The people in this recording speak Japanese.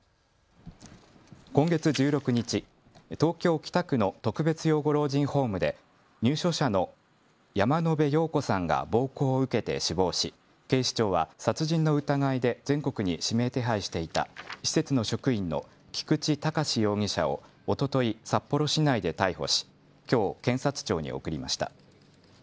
今月１６日、東京北区の特別養護老人ホームで入所者の山野邉陽子さんが暴行を受けて死亡し警視庁は殺人の疑いで全国に指名手配していた施設の職員の菊池隆容疑者をおととい、札幌市内で逮捕しきょう、検察庁に送りました。